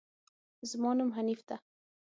زما نوم حنيف ده